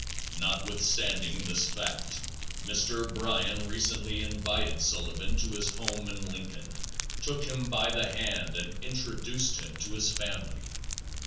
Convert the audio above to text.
Notwithstanding this fact, Mr. Bryan recently invited Sullivan to his home in Lincoln, took him by the hand and introduced him to his family.